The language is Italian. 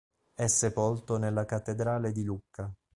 È sepolto nella cattedrale di Lucca.